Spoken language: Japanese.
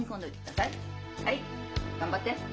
はい頑張って。